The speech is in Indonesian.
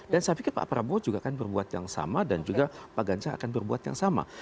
dan saya pikir pak prabowo juga akan berbuat yang sama dan juga pak ganca akan berbuat yang sama